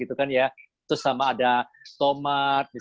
terus sama ada tomat